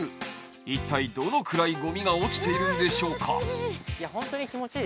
一体、どのくらいゴミが落ちているんでしょうか。